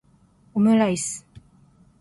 オムライス